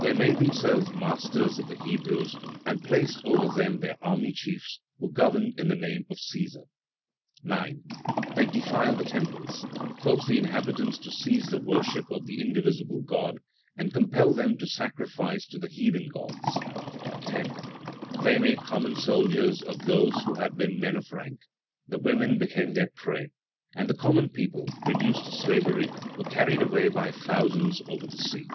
These made themselves masters of the Hebrews, and placed over them their army chiefs, who governed in the name of Cæsar. 9. They defiled the temples, forced the inhabitants to cease the worship of the indivisible God, and compelled them to sacrifice to the heathen gods. 10. They made common soldiers of those who had been men of rank; the women became their prey, and the common people, reduced to slavery, were carried away by thousands over the sea.